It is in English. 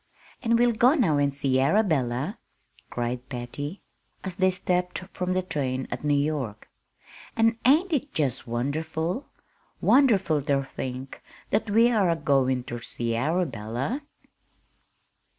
"And we'll go now and see Arabella!" cried Patty, as they stepped from the train at New York. "An' ain't it jest wonderful wonderful ter think that we are a goin' ter see Arabella!"